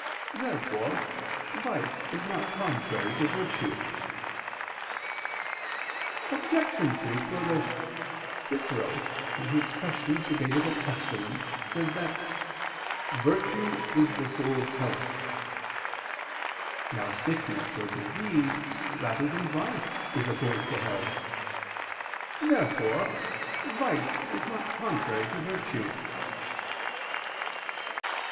Therefore vice is not contrary to virtue. Obj. 3: Further, Cicero (De Quaest. Tusc. iv) says that "virtue is the soul's health." Now sickness or disease, rather than vice, is opposed to health. Therefore vice is not contrary to virtue.